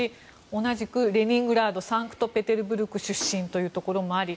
同じくレニングラードサンクトペテルブルク出身ということもあり